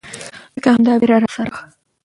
ځکه همدا ويره راسره وه.